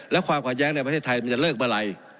แล้วความขัดแย้งในประเทศไทยมันจะเลิกเมื่อไหร่